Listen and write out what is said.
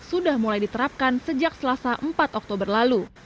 sudah mulai diterapkan sejak selasa empat oktober lalu